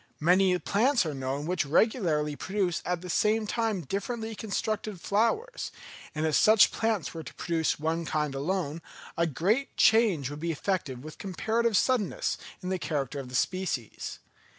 Many plants are known which regularly produce at the same time differently constructed flowers; and if such plants were to produce one kind alone, a great change would be effected with comparative suddenness in the character of the species.